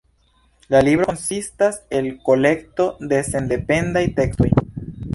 La libro konsistas el kolekto de sendependaj tekstoj.